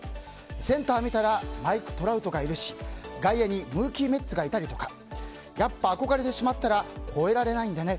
センター見たらマイク・トラウトがいるし外野にムーキー・ベッツがいたりとかやっぱ憧れてしまったら超えられないんでね。